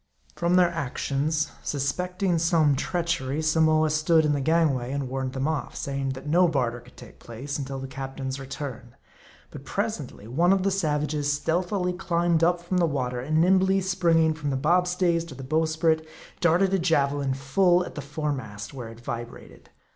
From their actions, suspecting some treachery, Samoa stood in the gangway, and warned them off; saying that no barter could take place until the captain's return. But presently one of the savages stealthily climbed up from the water, and nimbly springing from the bob stays to the bow sprit, darted a javelin full at the foremast, where it vibrated.